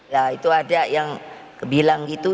ya itu ada yang bilang gitu